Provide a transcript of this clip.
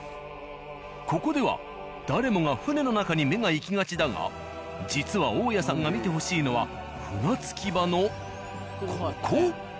ここでは誰もが船の中に目が行きがちだが実は大谷さんが見てほしいのは船着き場のここ。